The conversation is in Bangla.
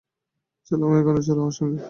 চলো মা, এখনই চলো আমার সঙ্গে।